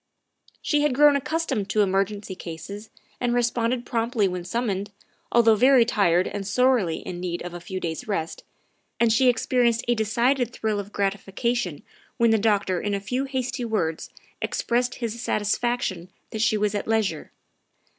She had grown accustomed to emergency cases and had responded promptly when summoned, although very tired and sorely in need of a few days' rest, and she experienced a decided thrill of gratification when the doctor in a few hasty words expressed his satisfaction that she was at leisure.